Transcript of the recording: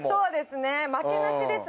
負けなしですね。